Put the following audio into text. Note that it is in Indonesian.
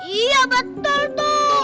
iya betul tuh